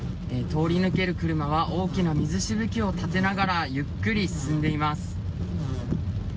通り抜ける車は大きな水しぶきを立てながらゆっくり進んでいます。